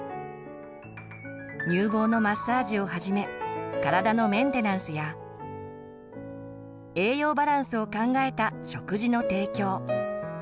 乳房のマッサージをはじめ体のメンテナンスや栄養バランスを考えた食事の提供。